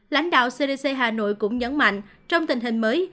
lãnh đạo cdc hà nội cũng nhấn mạnh trong tình hình mới